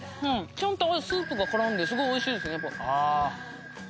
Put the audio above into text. ちゃんとスープが絡んですごい美味しいですね。